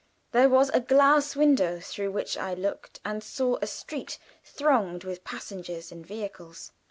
There was a glass window through which I looked and saw a street thronged with passengers and vehicles.